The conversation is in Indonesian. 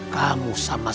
kamu sama sekali